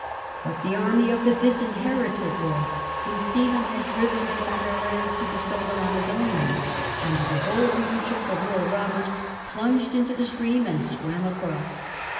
But the army of the ' disinherited ' lords whom Stephen had driven from their lands to bestow them on his own men, under the bold leadership of Earl Robert, plunged into the stream and swam across.